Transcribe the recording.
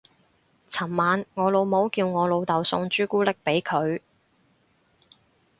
尋晚我老母叫我老竇送朱古力俾佢